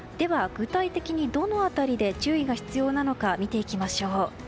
具体的にどの辺りで注意が必要なのか見ていきましょう。